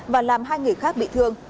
và làm hai người khác bị thương